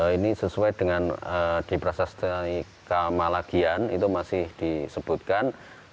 ini sesuai dengan di prasasti kamalagian itu masih disebutkan